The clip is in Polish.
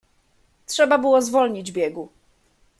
"Trzeba było zwolnić biegu."